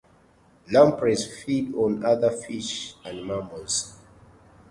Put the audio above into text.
Lampreys feed on other fish and mammals.